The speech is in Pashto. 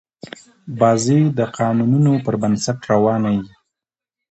بازي د قانونونو پر بنسټ روانه يي.